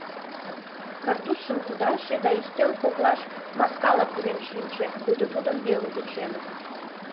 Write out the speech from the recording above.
Картузшым кудаше да ӱстел коклаш маскала пурен шинче, пуйто тудым веле вученыт.